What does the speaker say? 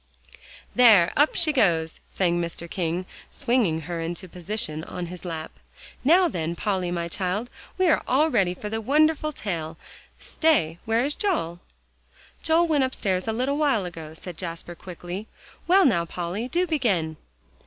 "There, up she goes!" sang Mr. King, swinging her into position on his lap. "Now then, Polly, my child, we are all ready for the wonderful tale. Stay, where is Joel?" "Joel went upstairs a little while ago," said Jasper quickly. "Well, now, Polly, do begin."